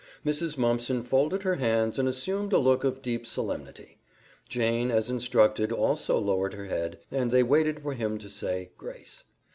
Mrs. Mumpson folded her hands and assumed a look of deep solemnity; Jane, as instructed, also lowered her head, and they waited for him to say "grace."